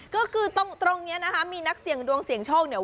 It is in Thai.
ก็คือตรงนี้นะคะมีนักเสี่ยงดวงเสี่ยงโชคเนี่ย